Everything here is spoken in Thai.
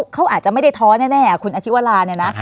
เขาอาจจะไม่ได้ท้อนแน่คุณอธิวราณ